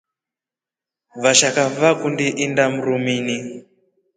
Vashaka vakundi indaa mrumini.